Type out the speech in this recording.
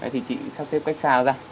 thì chị sắp xếp cách xa ra